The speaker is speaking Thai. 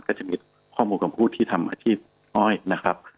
ก็จะมีข้อมูลของผู้ที่ทำอาชีพอ้อยนะครับ